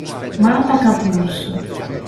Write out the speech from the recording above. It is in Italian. Marta Capurso